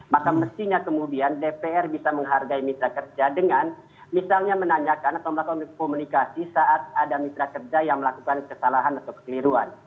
maka mestinya kemudian dpr bisa menghargai mitra kerja dengan misalnya menanyakan atau melakukan komunikasi saat ada mitra kerja yang melakukan kesalahan atau kekeliruan